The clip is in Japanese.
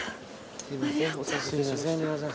すいません。